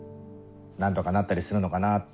何とかなったりするのかなって。